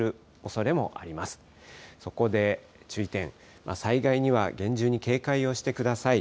そこで注意点、災害には厳重に警戒をしてください。